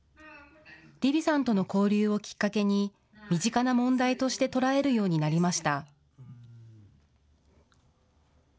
リヴィさんとの交流をきっかけに身近な問題として捉えるようになりました。